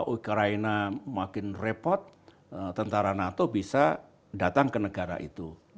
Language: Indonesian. ukraina makin repot tentara nato bisa datang ke negara itu